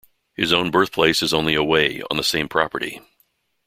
His own birthplace is only away, on the same property.